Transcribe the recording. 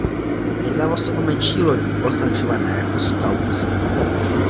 Jednalo se o menší lodi označované jako "Scouts".